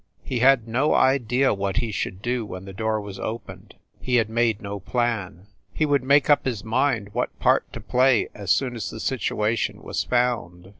He had no idea what he should do when the door was opened; he had made no plan. He would make up his mind what part to play as soon as the situation was found.